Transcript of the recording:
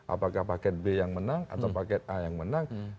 apakah paket b yang menang atau paket a yang menang